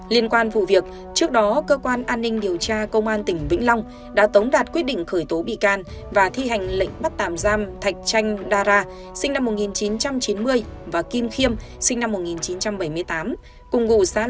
liên quan vụ việc trước đó cơ quan an ninh điều tra công an tỉnh vĩnh long đã tống đạt quyết định khởi tố bị can và thi hành lệnh bắt tạm giam thạch chanh dara sinh năm một nghìn chín trăm chín mươi và kim khiêm sinh năm một nghìn chín trăm bảy mươi tám